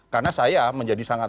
karena saya menjadi sangat